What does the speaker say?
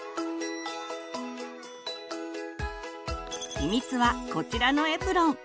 秘密はこちらのエプロン。